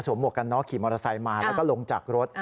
สวมบวกกันขี่มอเตอร์ไซค์มาแล้วก็ลงจากรถ